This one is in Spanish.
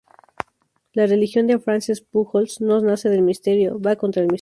La religión de Francesc Pujols no nace del misterio, va contra el misterio.